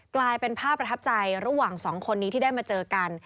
กลายเป็นภาพประทับใจระหว่างสองคนนี้ที่ได้มาเจอกัน